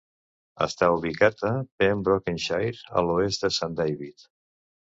Està ubicat a Pembrokeshire, a l'oest de Saint David.